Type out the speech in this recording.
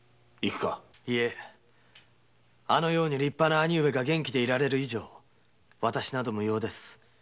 あのように兄上が元気でいられる以上私など無用。